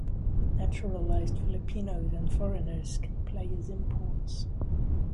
Naturalized Filipinos and foreigners can play as imports.